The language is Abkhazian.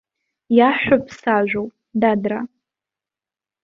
Иаҳҳәо ԥсажәоуп, дадраа.